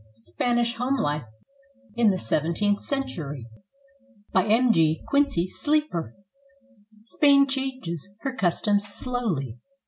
SPANISH HOME LIFE IN THE SEVENTEENTH CENTURY BY MRS. M. G. QUINCY SLEEPER Spain changes her customs slowly.